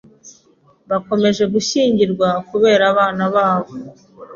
Bakomeje gushyingirwa kubera abana babo.